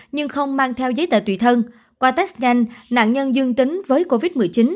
nhưng không mang theo giấy tờ tùy thân qua test nhanh nạn nhân dương tính với covid một mươi chín